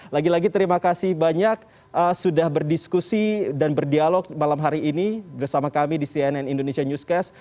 lagi lagi terima kasih banyak sudah berdiskusi dan berdialog malam hari ini bersama kami di cnn indonesia newscast